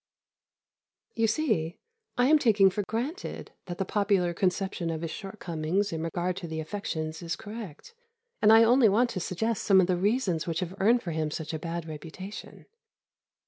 You see, I am taking for granted that the popular conception of his shortcomings in regard to the affections is correct, and I only want to suggest some of the reasons which have earned for him such a bad reputation.